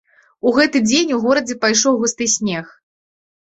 У гэты дзень у горадзе пайшоў густы снег.